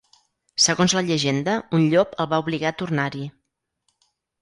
Segons la llegenda, un llop el va obligar a tornar-hi.